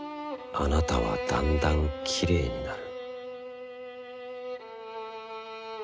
「あなたはだんだんきれいになる」。